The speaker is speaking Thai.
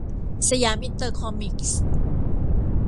สยามอินเตอร์คอมิกส์